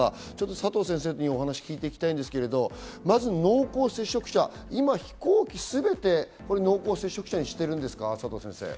佐藤先生にお話を聞いていきたいんですが、まず濃厚接触者、今、飛行機全て濃厚接触者に指定しているんですか？